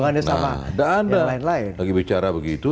nah ada lagi bicara begitu